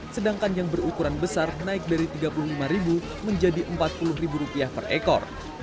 sedangkan yang berukuran besar naik dari rp tiga puluh lima menjadi rp empat puluh per ekor